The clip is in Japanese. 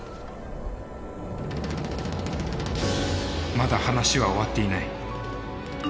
まだ話は終わっていない。